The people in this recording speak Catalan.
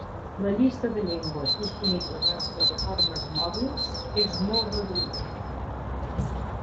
La llista de llengües disponibles en les plataformes mòbils és molt reduïda.